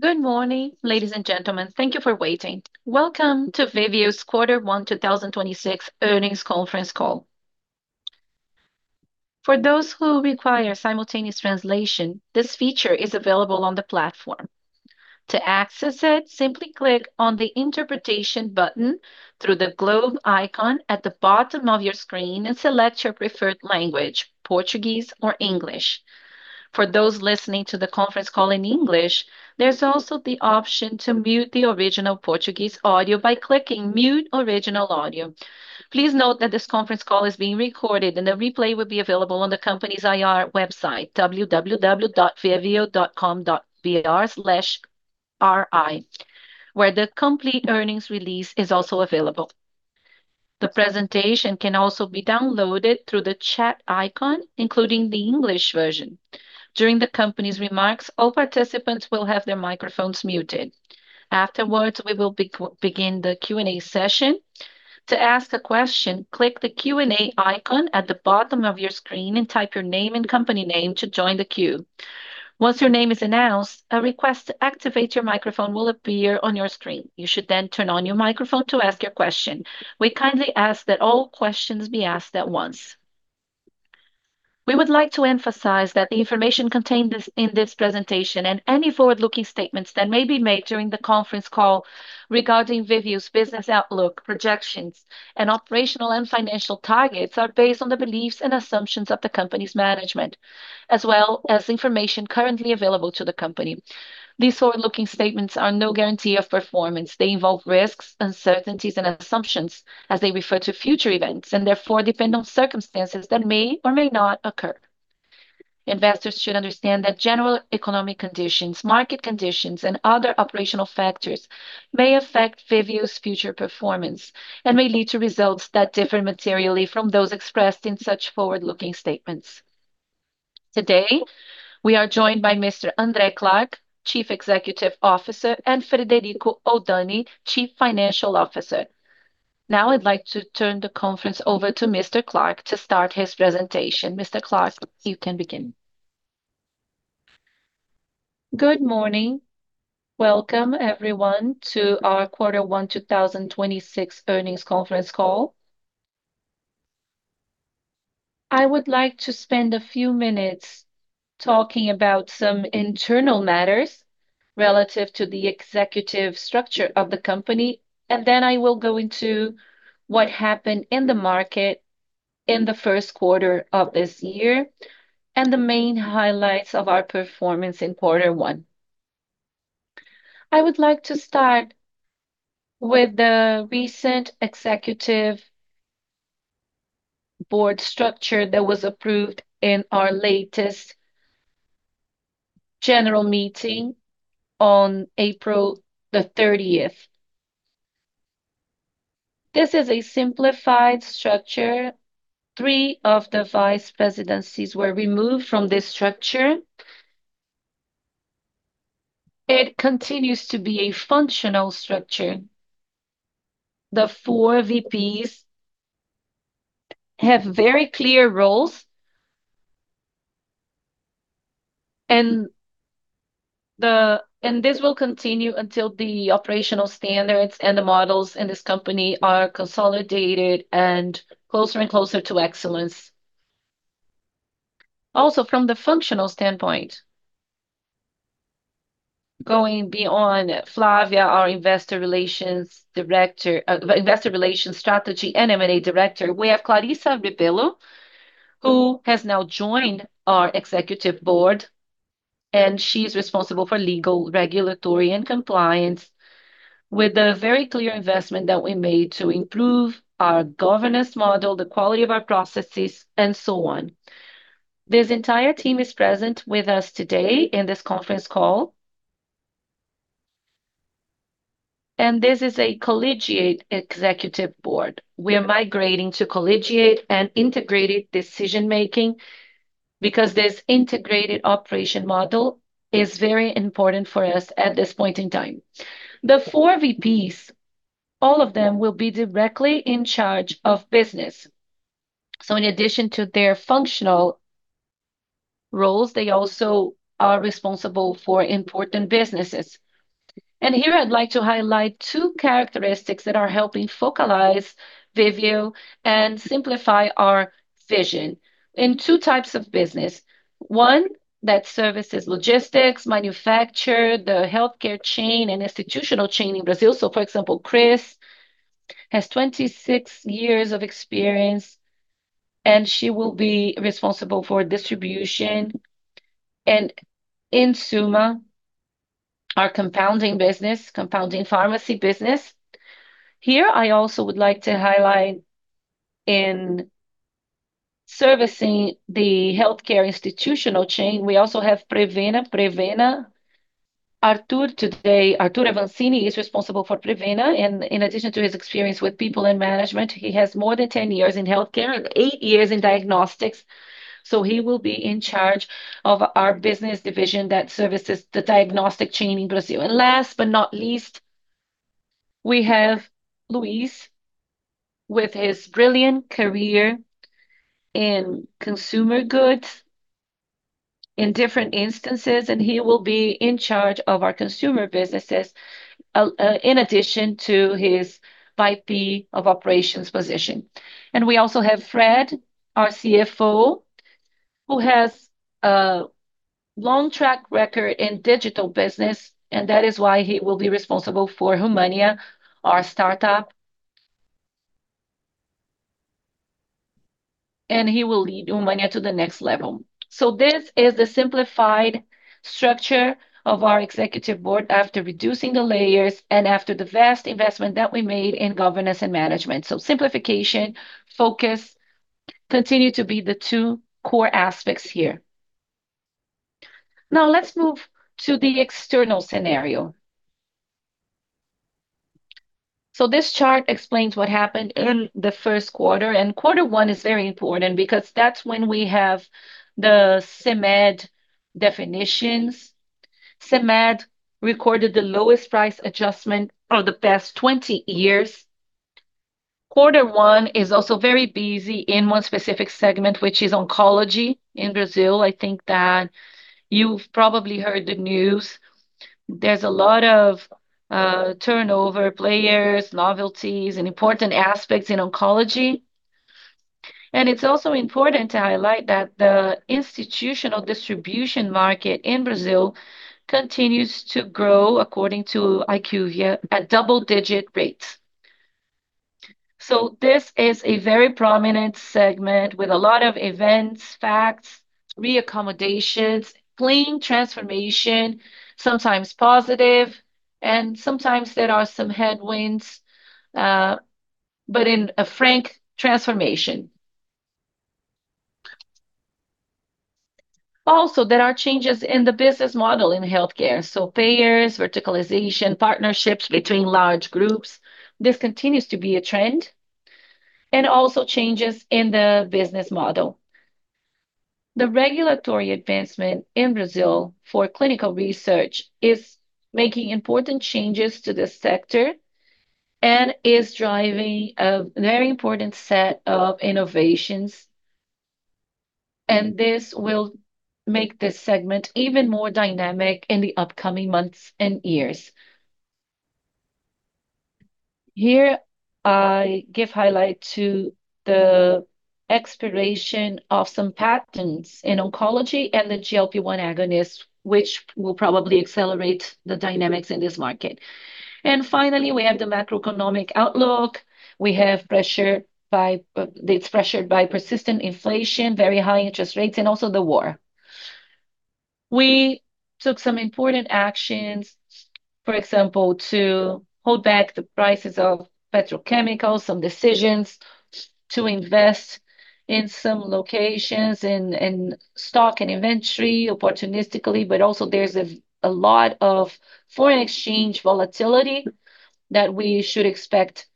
Good morning, ladies and gentlemen. Thank you for waiting. Welcome to Viveo's Quarter One 2026 earnings conference call. For those who require simultaneous translation, this feature is available on the platform. To access it, simply click on the interpretation button through the globe icon at the bottom of your screen and select your preferred language, Portuguese or English. For those listening to the conference call in English, there's also the option to mute the original Portuguese audio by clicking Mute Original Audio. Please note that this conference call is being recorded and a replay will be available on the company's IR website, www.viveo.com.br/ri, where the complete earnings release is also available. The presentation can also be downloaded through the chat icon, including the English version. During the company's remarks, all participants will have their microphones muted. Afterwards, we will begin the Q&A session. To ask a question, click the Q&A icon at the bottom of your screen and type your name and company name to join the queue. Once your name is announced, a request to activate your microphone will appear on your screen. You should then turn on your microphone to ask your question. We kindly ask that all questions be asked at once. We would like to emphasize that the information contained in this presentation and any forward-looking statements that may be made during the conference call regarding Viveo's business outlook, projections, and operational and financial targets are based on the beliefs and assumptions of the company's management, as well as information currently available to the company. These forward-looking statements are no guarantee of performance. They involve risks, uncertainties, and assumptions as they refer to future events, and therefore depend on circumstances that may or may not occur. Investors should understand that general economic conditions, market conditions, and other operational factors may affect Viveo's future performance, and may lead to results that differ materially from those expressed in such forward-looking statements. Today, we are joined by Mr. André Clark, Chief Executive Officer, and Frederico Oldani, Chief Financial Officer. Now I'd like to turn the conference over to Mr. Clark to start his presentation. Mr. Clark, you can begin. Good morning. Welcome, everyone, to our Quarter One 2026 earnings conference call. I would like to spend a few minutes talking about some internal matters relative to the executive structure of the company, and then I will go into what happened in the market in the first quarter of this year and the main highlights of our performance in quarter one. I would like to start with the recent Executive Board structure that was approved in our latest General Meeting on April 30th. This is a simplified structure. Three of the Vice Presidencies were removed from this structure. It continues to be a functional structure. The four VPs have very clear roles, and this will continue until the operational standards and the models in this company are consolidated and closer and closer to excellence. Also, from the functional standpoint, going beyond Flavia Carvalho, our Investor Relations Strategy and M&A Director. We have Clarissa Rebello, who has now joined our Executive Board, and she's responsible for legal, regulatory, and compliance with the very clear investment that we made to improve our governance model, the quality of our processes, and so on. This entire team is present with us today in this conference call. This is a collegiate Executive Board. We are migrating to collegiate and integrated decision-making because this integrated operation model is very important for us at this point in time. The four VPs, all of them will be directly in charge of business. In addition to their functional roles, they also are responsible for important businesses. Here I'd like to highlight two characteristics that are helping focalize Viveo and simplify our vision in two types of business. One that services logistics, manufacture, the healthcare chain, and institutional chain in Brazil. For example, Chris Rego has 26 years of experience, and she will be responsible for distribution and Insuma, our compounding business, compounding pharmacy business. Here I also would like to highlight in servicing the healthcare institutional chain, we also have Prevena. Artur today, Artur Avancine is responsible for Prevena, and in addition to his experience with people in management, he has more than 10 years in healthcare and eight years in diagnostics, so he will be in charge of our business division that services the diagnostic chain in Brazil. Last but not least, we have Luiz Silva with his brilliant career in consumer goods in different instances, and he will be in charge of our consumer businesses, in addition to his VP of Operations position. We also have Fred, our CFO, who has a long track record in digital business, and that is why he will be responsible for Humania, our startup. He will lead Humania to the next level. This is the simplified structure of our executive board after reducing the layers and after the vast investment that we made in governance and management. Simplification, focus continue to be the two core aspects here. Now let's move to the external scenario. This chart explains what happened in the first quarter, and Q1 is very important because that's when we have the CMED definitions. CMED recorded the lowest price adjustment of the past 20 years. Q1 is also very busy in one specific segment, which is oncology in Brazil. I think that you've probably heard the news. There's a lot of turnover, players, novelties, and important aspects in oncology. It's also important to highlight that the institutional distribution market in Brazil continues to grow according to IQVIA at double digit rates. This is a very prominent segment with a lot of events, facts, re-accommodations, clean transformation, sometimes positive, and sometimes there are some headwinds, but in a frank transformation. There are changes in the business model in healthcare. Payers, verticalization, partnerships between large groups. This continues to be a trend. Changes in the business model. The regulatory advancement in Brazil for clinical research is making important changes to this sector and is driving a very important set of innovations. This will make this segment even more dynamic in the upcoming months and years. Here, I give highlight to the expiration of some patents in oncology and the GLP-1 agonist, which will probably accelerate the dynamics in this market. Finally, we have the macroeconomic outlook. It's pressured by persistent inflation, very high interest rates, and also the war. We took some important actions, for example, to hold back the prices of petrochemicals, some decisions to invest in some locations in stock and inventory opportunistically. Also there's a lot of foreign exchange volatility that we should expect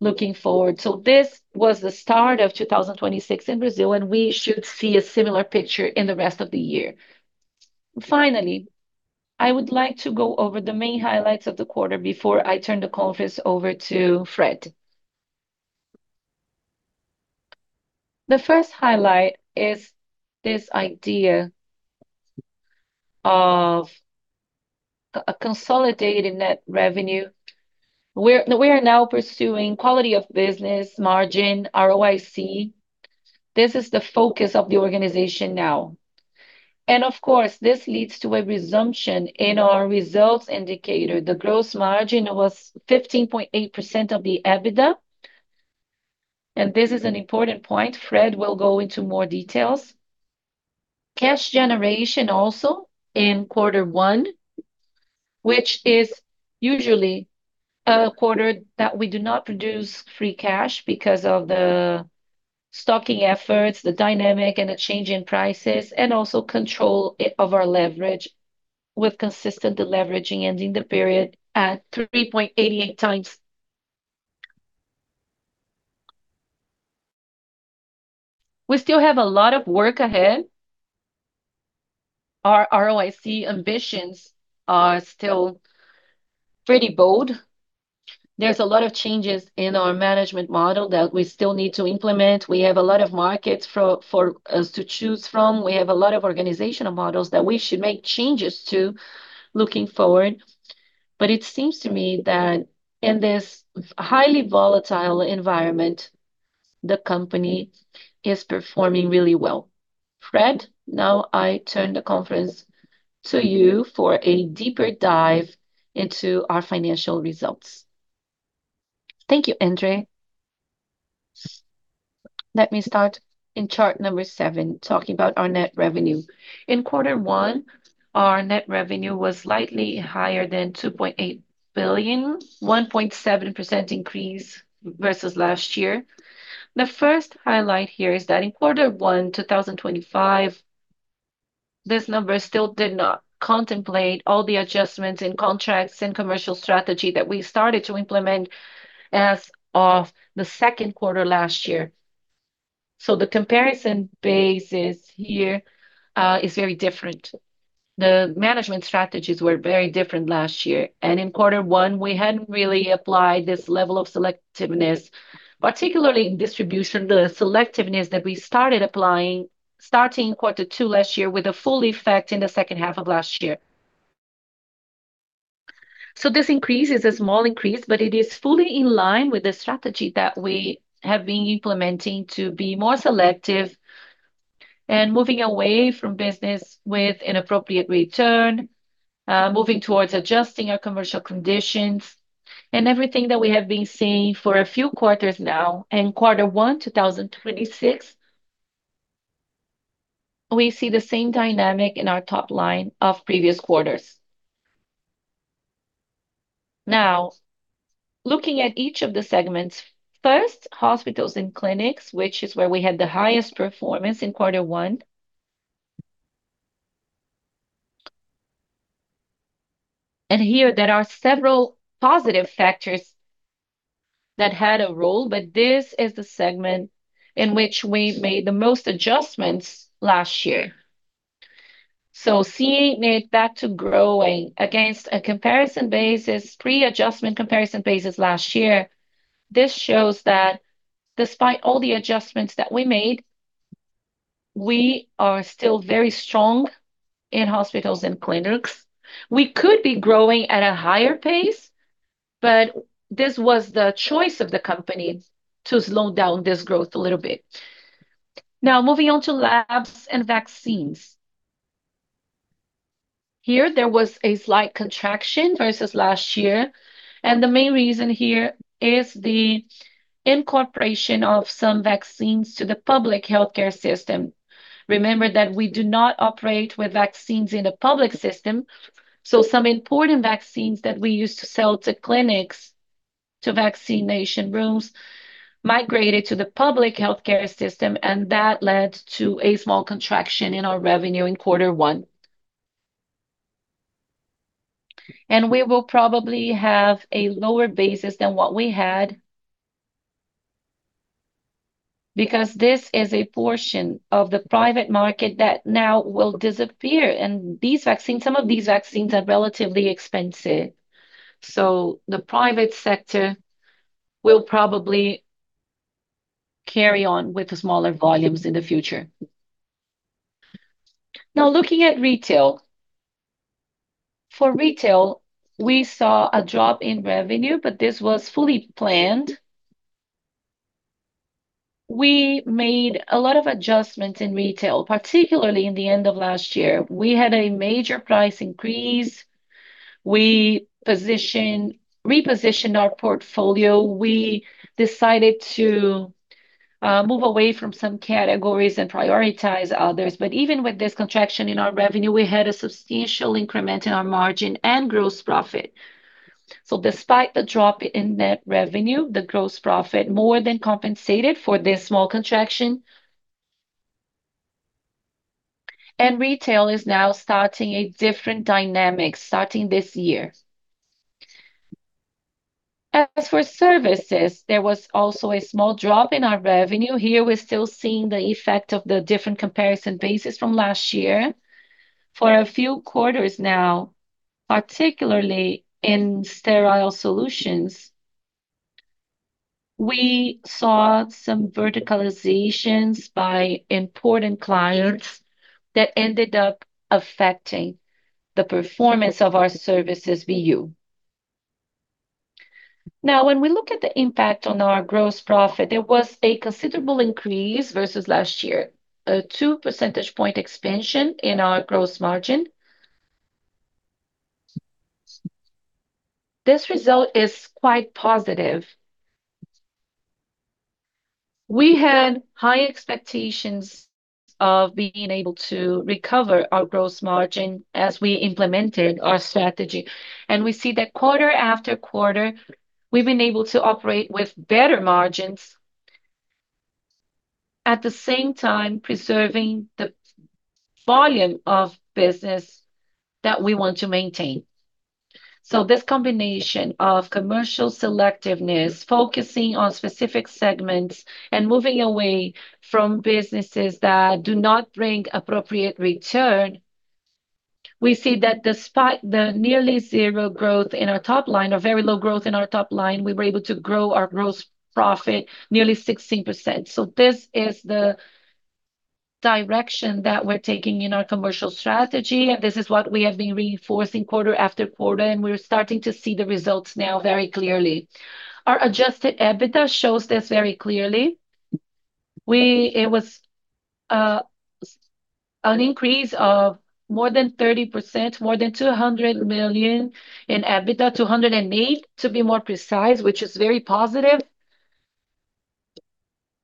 looking forward. This was the start of 2026 in Brazil, and we should see a similar picture in the rest of the year. Finally, I would like to go over the main highlights of the quarter before I turn the conference over to Fred. The first highlight is this idea of a consolidated net revenue. We are now pursuing quality of business, margin, ROIC. This is the focus of the organization now. Of course, this leads to a resumption in our results indicator. The gross margin was 15.8% of the EBITDA, and this is an important point. Fred will go into more details. Cash generation also in Q1, which is usually a quarter that we do not produce free cash because of the stocking efforts, the dynamic, and the change in prices, and also control of our leverage with consistent deleveraging ending the period at 3.88x. We still have a lot of work ahead. Our ROIC ambitions are still pretty bold. There's a lot of changes in our management model that we still need to implement. We have a lot of markets for us to choose from. We have a lot of organizational models that we should make changes to looking forward. It seems to me that in this highly volatile environment, the company is performing really well. Fred, now I turn the conference to you for a deeper dive into our financial results. Thank you, André. Let me start in chart number seven, talking about our net revenue. In quarter one, our net revenue was slightly higher than 2.8 billion, 1.7% increase versus last year. The first highlight here is that in quarter one, 2025, this number still did not contemplate all the adjustments in contracts and commercial strategy that we started to implement as of the second quarter last year. The comparison basis here is very different. The management strategies were very different last year, and in quarter one, we hadn't really applied this level of selectiveness, particularly in distribution, the selectiveness that we started applying starting quarter two last year with a full effect in the second half of last year. This increase is a small increase, but it is fully in line with the strategy that we have been implementing to be more selective and moving away from business with inappropriate return, moving towards adjusting our commercial conditions, and everything that we have been seeing for a few quarters now. In quarter one, 2026, we see the same dynamic in our top line of previous quarters. Looking at each of the segments. First, hospitals and clinics, which is where we had the highest performance in quarter one. Here there are several positive factors that had a role, but this is the segment in which we made the most adjustments last year. Seeing it back to growing against a pre-adjustment comparison basis last year, this shows that despite all the adjustments that we made, we are still very strong in hospitals and clinics. We could be growing at a higher pace. This was the choice of the company to slow down this growth a little bit. Moving on to labs and vaccines. Here there was a slight contraction versus last year, and the main reason here is the incorporation of some vaccines to the public healthcare system. Remember that we do not operate with vaccines in a public system, so some important vaccines that we used to sell to clinics, to vaccination rooms, migrated to the public healthcare system, and that led to a small contraction in our revenue in quarter one. We will probably have a lower basis than what we had because this is a portion of the private market that now will disappear. Some of these vaccines are relatively expensive, the private sector will probably carry on with the smaller volumes in the future. Looking at retail. For retail, we saw a drop in revenue, this was fully planned. We made a lot of adjustments in retail, particularly in the end of last year. We had a major price increase. We repositioned our portfolio. We decided to move away from some categories and prioritize others. Even with this contraction in our revenue, we had a substantial increment in our margin and gross profit. Despite the drop in net revenue, the gross profit more than compensated for this small contraction. Retail is now starting a different dynamic starting this year. As for services, there was also a small drop in our revenue. Here we're still seeing the effect of the different comparison basis from last year. For a few quarters now, particularly in sterile solutions, we saw some verticalizations by important clients that ended up affecting the performance of our services BU. When we look at the impact on our gross profit, there was a considerable increase versus last year, a two percentage point expansion in our gross margin. This result is quite positive. We had high expectations of being able to recover our gross margin as we implemented our strategy, and we see that quarter after quarter, we've been able to operate with better margins, at the same time preserving the volume of business that we want to maintain. This combination of commercial selectiveness, focusing on specific segments and moving away from businesses that do not bring appropriate return, we see that despite the nearly zero growth in our top line or very low growth in our top line, we were able to grow our gross profit nearly 16%. This is the direction that we're taking in our commercial strategy. This is what we have been reinforcing quarter after quarter, and we're starting to see the results now very clearly. Our adjusted EBITDA shows this very clearly. It was an increase of more than 30%, more than 200 million in EBITDA, 208 million to be more precise, which is very positive.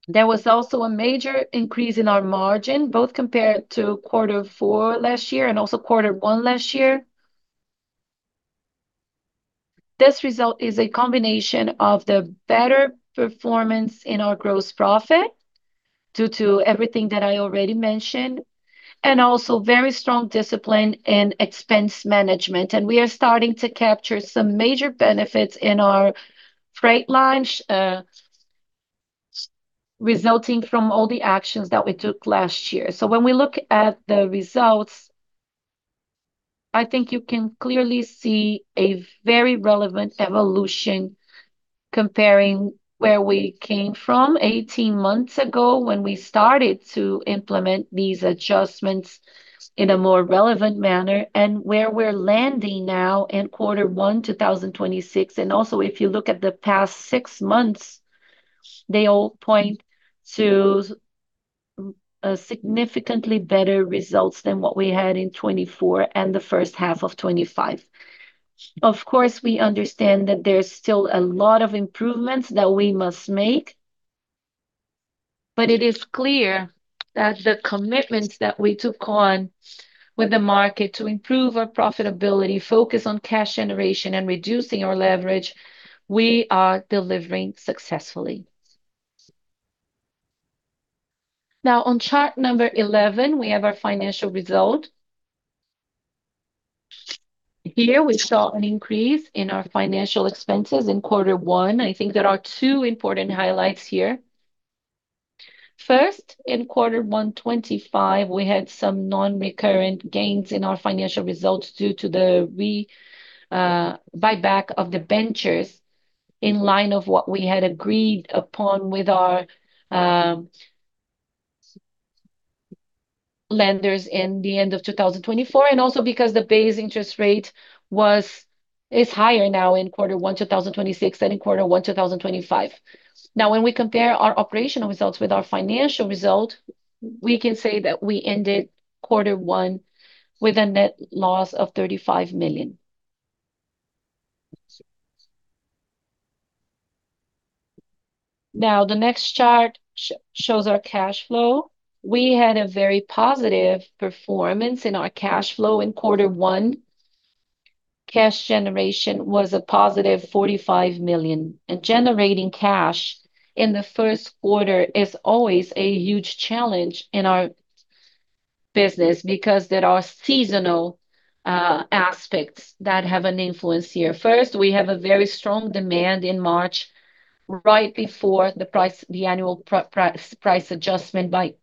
There was also a major increase in our margin, both compared to quarter four last year and also quarter one last year. This result is a combination of the better performance in our gross profit, due to everything that I already mentioned, and also very strong discipline in expense management. We are starting to capture some major benefits in our freight lines, resulting from all the actions that we took last year. When we look at the results, I think you can clearly see a very relevant evolution comparing where we came from 18 months ago when we started to implement these adjustments in a more relevant manner, and where we're landing now in quarter one, 2026. Also, if you look at the past six months, they all point to significantly better results than what we had in 2024 and the first half of 2025. We understand that there's still a lot of improvements that we must make. It is clear that the commitments that we took on with the market to improve our profitability, focus on cash generation, and reducing our leverage, we are delivering successfully. On chart number 11, we have our financial result. We saw an increase in our financial expenses in quarter one. I think there are two important highlights here. In quarter one 2025, we had some non-recurrent gains in our financial results due to the buyback of debentures in line of what we had agreed upon with our lenders in the end of 2024, and also because the base interest rate is higher now in quarter one 2026 than in quarter one 2025. When we compare our operational results with our financial result, we can say that we ended quarter one with a net loss of 35 million. The next chart shows our cash flow. We had a very positive performance in our cash flow in quarter one. Cash generation was a +45 million. Generating cash in the 1st quarter is always a huge challenge in our business because there are seasonal aspects that have an influence here. First, we have a very strong demand in March, right before the price, the annual price adjustment by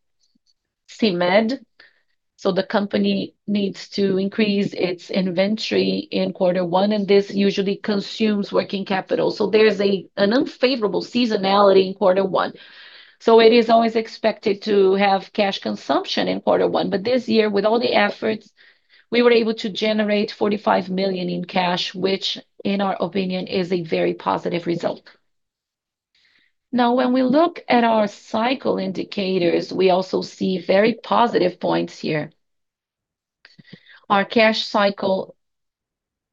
CMED. The company needs to increase its inventory in quarter one, and this usually consumes working capital. There's an unfavorable seasonality in quarter one. It is always expected to have cash consumption in quarter one. This year, with all the efforts, we were able to generate 45 million in cash, which in our opinion, is a very positive result. When we look at our cycle indicators, we also see very positive points here. Our cash cycle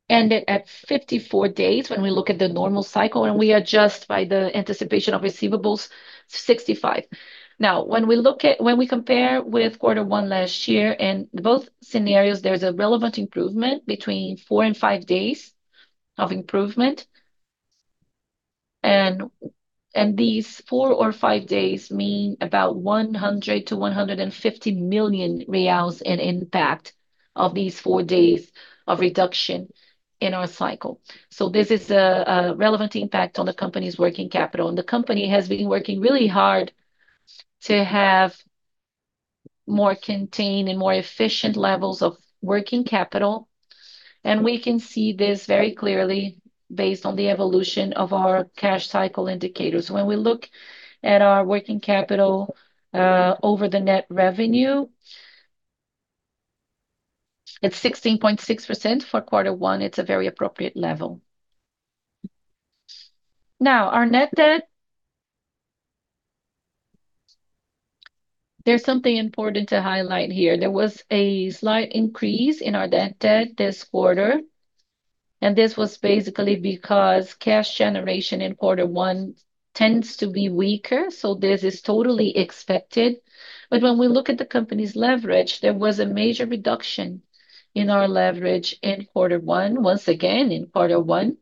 ended at 54 days when we look at the normal cycle, and we adjust by the anticipation of receivables to 65 days. When we compare with quarter one last year, in both scenarios there's a relevant improvement, between four and five days of improvement. These four or five days mean about 100 million-150 million reais in impact of these four days of reduction in our cycle. This is a relevant impact on the company's working capital. The company has been working really hard to have more contained and more efficient levels of working capital, and we can see this very clearly based on the evolution of our cash cycle indicators. When we look at our working capital, over the net revenue, it's 16.6%. For quarter one, it's a very appropriate level. Our net debt, there's something important to highlight here. There was a slight increase in our net debt this quarter, and this was basically because cash generation in quarter one tends to be weaker, so this is totally expected. When we look at the company's leverage, there was a major reduction in our leverage in quarter one. Once again, in quarter one.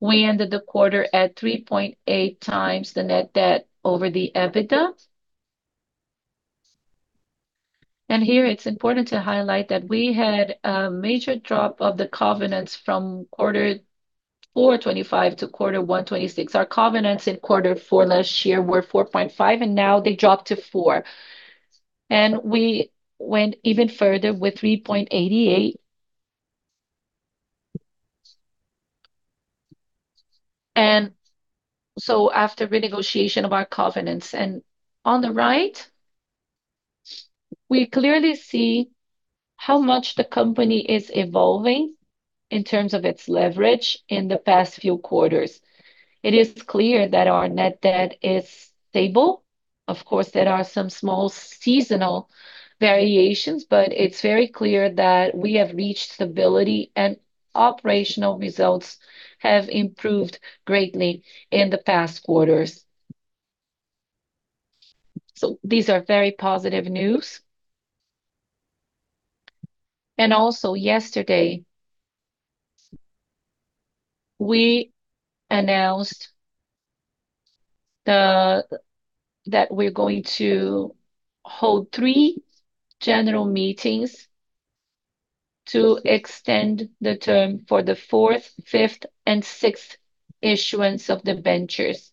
We ended the quarter at 3.8x the net debt over the EBITDA. Here it's important to highlight that we had a major drop of the covenants from Q4 2025 to Q1 2026. Our covenants in Q4 last year were 4.5, and now they dropped to four. We went even further with 3.88 after renegotiation of our covenants. On the right, we clearly see how much the company is evolving in terms of its leverage in the past few quarters. It is clear that our net debt is stable. Of course, there are some small seasonal variations, but it's very clear that we have reached stability, and operational results have improved greatly in the past quarters. These are very positive news. Also yesterday, we announced that we're going to hold three General Meetings to extend the term for the fourth, fifth, and sixth issuance of the debentures.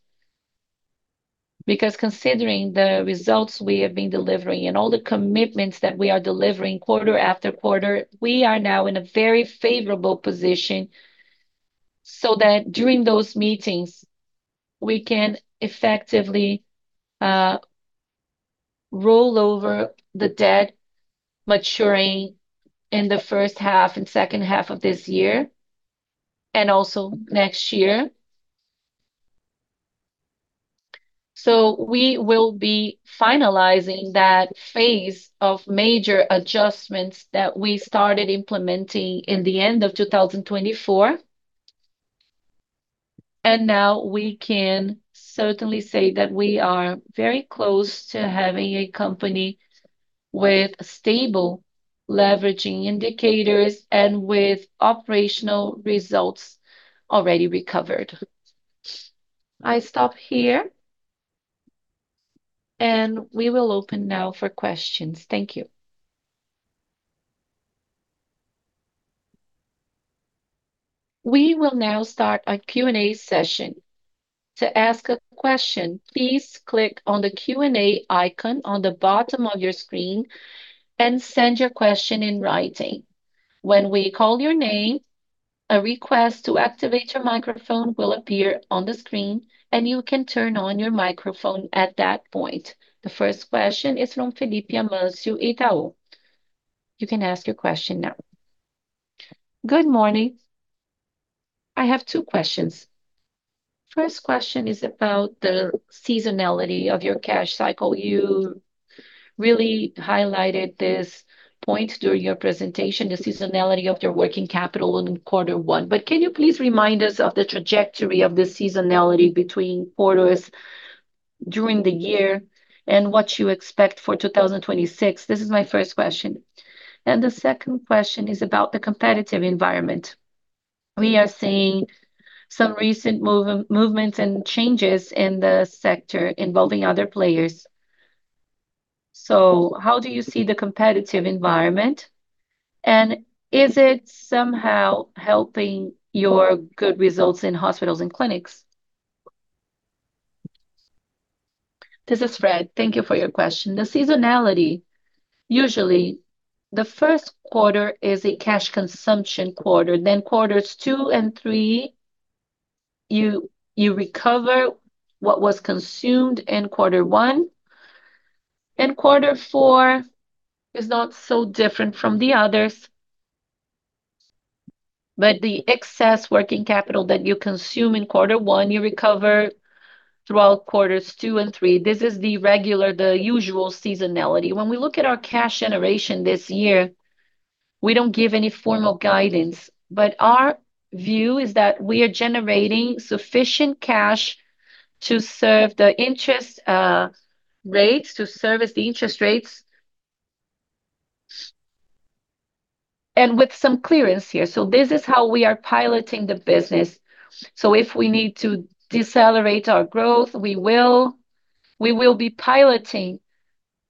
Because considering the results we have been delivering and all the commitments that we are delivering quarter-after-quarter, we are now in a very favorable position, so that during those meetings we can effectively roll over the debt maturing in the first half and second half of this year, and also next year. We will be finalizing that phase of major adjustments that we started implementing in the end of 2024, and now we can certainly say that we are very close to having a company with stable leveraging indicators and with operational results already recovered. I stop here, and we will open now for questions. Thank you. We will now start a Q&A session. To ask a question, please click on the Q&A icon on the bottom of your screen and send your question in writing. When we call your name, a request to activate your microphone will appear on the screen, and you can turn on your microphone at that point. The first question is from Felipe Amancio, Itaú. You can ask your question now. Good morning. I have two questions. First question is about the seasonality of your cash cycle. You really highlighted this point during your presentation, the seasonality of your working capital in quarter one. Can you please remind us of the trajectory of the seasonality between quarters during the year, and what you expect for 2026? This is my first question. The second question is about the competitive environment. We are seeing some recent movements and changes in the sector involving other players. How do you see the competitive environment, and is it somehow helping your good results in hospitals and clinics? This is Fred. Thank you for your question. The seasonality, usually the first quarter is a cash consumption quarter, quarters two and three you recover what was consumed in quarter one, and quarter four is not so different from the others. The excess working capital that you consume in quarter one, you recover throughout quarters two and three. This is the regular, the usual seasonality. When we look at our cash generation this year, we don't give any formal guidance, but our view is that we are generating sufficient cash to serve the interest rates, to service the interest rates, and with some clearance here. This is how we are piloting the business. If we need to decelerate our growth, we will. We will be piloting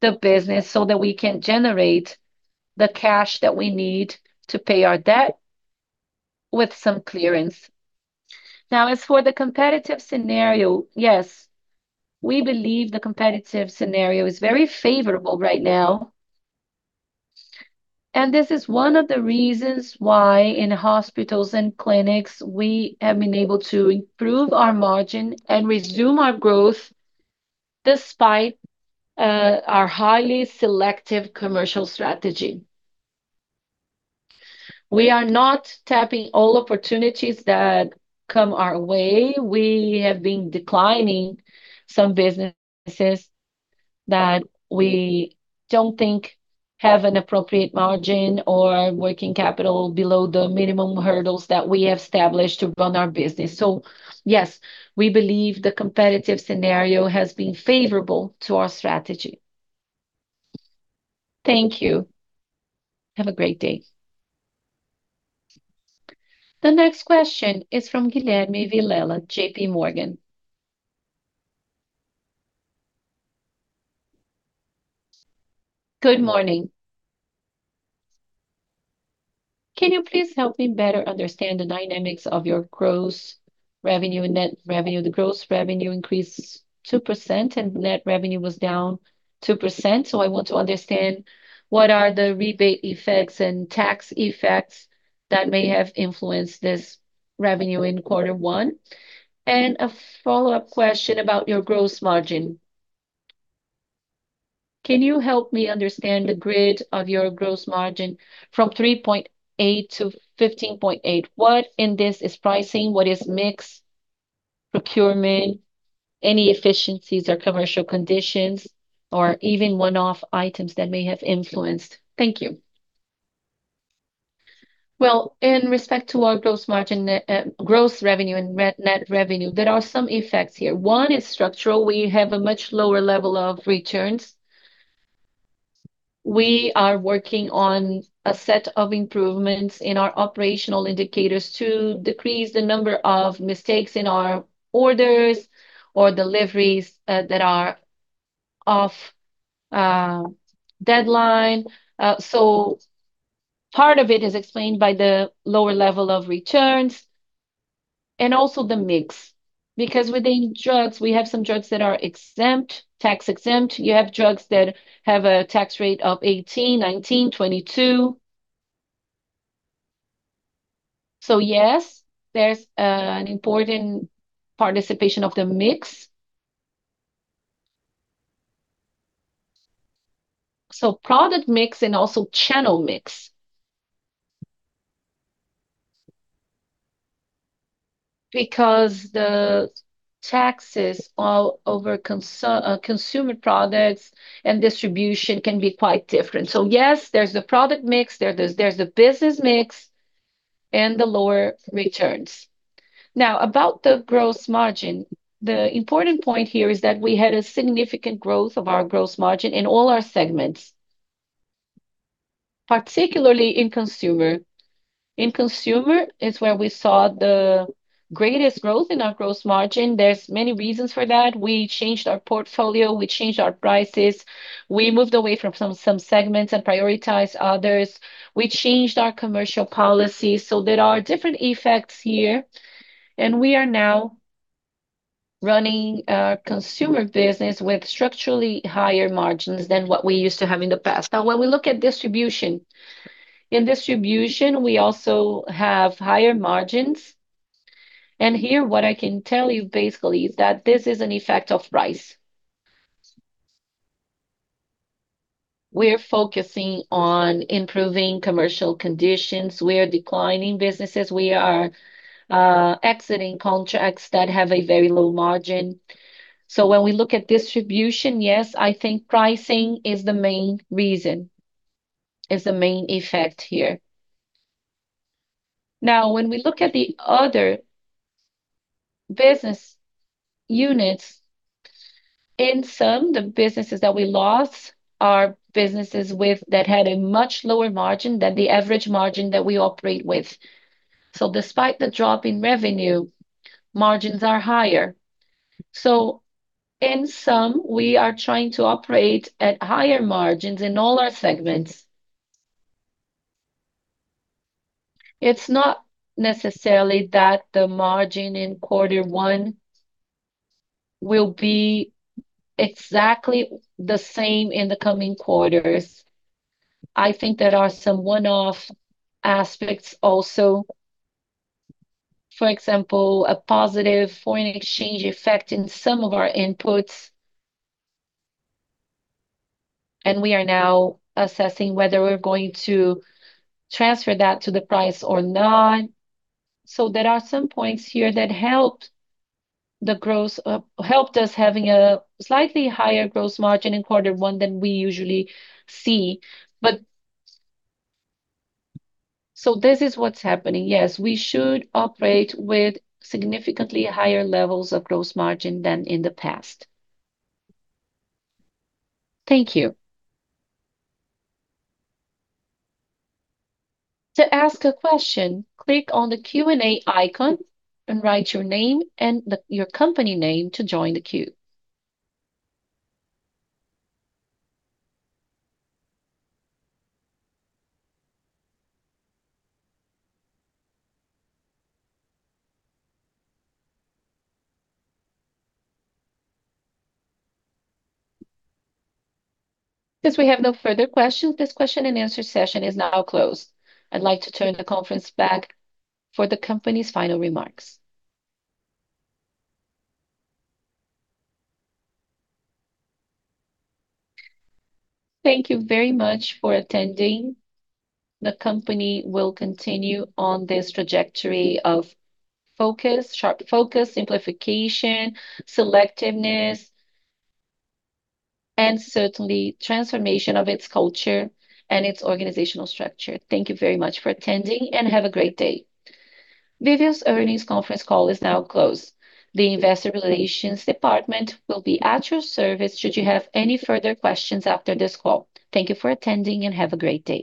the business so that we can generate the cash that we need to pay our debt with some clearance. As for the competitive scenario, yes, we believe the competitive scenario is very favorable right now. This is one of the reasons why in hospitals and clinics we have been able to improve our margin and resume our growth despite our highly selective commercial strategy. We are not tapping all opportunities that come our way. We have been declining some businesses that we don't think have an appropriate margin or working capital below the minimum hurdles that we have established to run our business. Yes, we believe the competitive scenario has been favorable to our strategy. Thank you. Have a great day. The next question is from Guilherme Vilela, JPMorgan. Good morning. Can you please help me better understand the dynamics of your gross revenue and net revenue? The gross revenue increased 2% and net revenue was down 2%. I want to understand what are the rebate effects and tax effects that may have influenced this revenue in quarter one. A follow-up question about your gross margin. Can you help me understand the grid of your gross margin from 3.8%-15.8%? What in this is pricing, what is mix, procurement, any efficiencies or commercial conditions, or even one-off items that may have influenced? Thank you. In respect to our gross margin, gross revenue and net revenue, there are some effects here. One is structural. We have a much lower level of returns. We are working on a set of improvements in our operational indicators to decrease the number of mistakes in our orders or deliveries. Part of it is explained by the lower level of returns and also the mix. Because within drugs, we have some drugs that are exempt, tax-exempt. You have drugs that have a tax rate of 18, 19, 22. Yes, there's an important participation of the mix. Product mix and also channel mix. Because the taxes all over consumer products and distribution can be quite different. Yes, there's the product mix, there's the business mix, and the lower returns. Now, about the gross margin, the important point here is that we had a significant growth of our gross margin in all our segments, particularly in consumer. In consumer is where we saw the greatest growth in our gross margin. There's many reasons for that. We changed our portfolio. We changed our prices. We moved away from some segments and prioritized others. We changed our commercial policies. There are different effects here, and we are now running our consumer business with structurally higher margins than what we used to have in the past. When we look at distribution, in distribution we also have higher margins, and here what I can tell you basically is that this is an effect of price. We're focusing on improving commercial conditions. We are declining businesses. We are exiting contracts that have a very low margin. When we look at distribution, yes, I think pricing is the main reason, is the main effect here. When we look at the other business units, in sum, the businesses that we lost are businesses with that had a much lower margin than the average margin that we operate with. Despite the drop in revenue, margins are higher. In sum, we are trying to operate at higher margins in all our segments. It's not necessarily that the margin in quarter one will be exactly the same in the coming quarters. I think there are some one-off aspects also. For example, a positive foreign exchange effect in some of our inputs, and we are now assessing whether we're going to transfer that to the price or not. There are some points here that helped the gross, helped us having a slightly higher gross margin in quarter one than we usually see. This is what's happening. Yes, we should operate with significantly higher levels of gross margin than in the past. Thank you. To ask a question, click on the Q&A icon and write your name and your company name to join the queue. Since we have no further questions, this question and answer session is now closed. I'd like to turn the conference back for the company's final remarks. Thank you very much for attending. The company will continue on this trajectory of focus, sharp focus, simplification, selectiveness, and certainly transformation of its culture and its organizational structure. Thank you very much for attending and have a great day. Viveo's earnings conference call is now closed. The investor relations department will be at your service should you have any further questions after this call. Thank you for attending and have a great day.